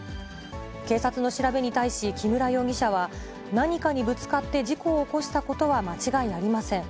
警察の調べに対し木村容疑者は、何かにぶつかって、事故を起こしたことは間違いありません。